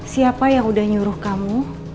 siapa yang udah nyuruh kamu